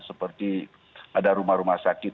seperti ada rumah rumah sakit